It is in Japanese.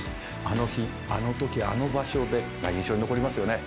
「あの日あの時あの場所で」が印象に残りますよね。